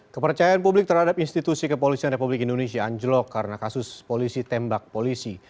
kepercayaan publik terhadap institusi kepolisian republik indonesia anjlok karena kasus polisi tembak polisi